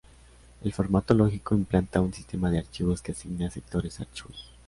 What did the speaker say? El formato lógico implanta un sistema de archivos que asigna sectores a archivos.